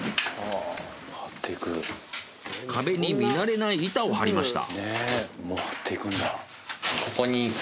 壁に見慣れない板を貼りました。